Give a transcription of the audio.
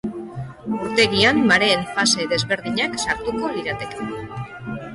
Urtegian mareen fase desberdinak sartuko lirateke.